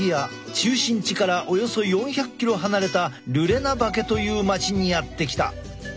中心地からおよそ４００ｋｍ離れたルレナバケという町にやって来た。